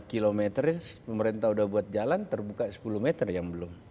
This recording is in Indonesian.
lima km pemerintah sudah buat jalan terbuka sepuluh meter yang belum